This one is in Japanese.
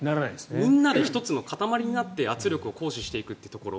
みんなで１つの塊になって圧力を行使していくっていうところ。